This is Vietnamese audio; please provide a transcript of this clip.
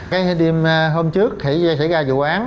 cái hôm trước thì xảy ra vụ án